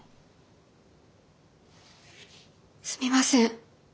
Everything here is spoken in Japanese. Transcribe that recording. すみません。